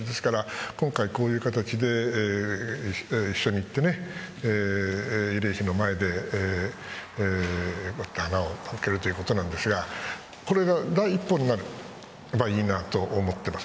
今回こういう形で一緒に行って慰霊碑の前で花を手向けるということなんですがこれが第一歩になればいいなと思っています。